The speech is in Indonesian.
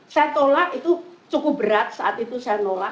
saya tolak itu cukup berat saat itu saya nolak